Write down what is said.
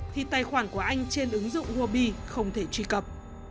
thì tài khoản của anh trên ứng dụng ruby không thể truy cập